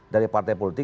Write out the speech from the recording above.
dari partai politik